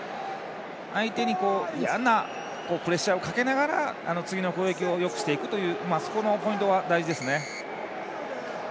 相手に嫌なプレッシャーをかけながら次の攻撃をよくしていくというそこのポイントは大事ですね。